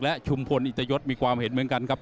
และชุมพลอิตยศมีความเห็นเหมือนกันครับ